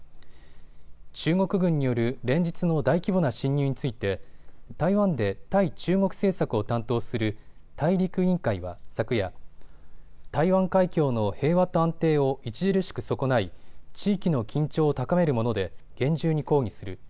中国軍による連日の大規模な進入について台湾で対中国政策を担当する大陸委員会は昨夜、台湾海峡の平和と安定を著しく損ない地域の緊張を高めるもので厳重に抗議する。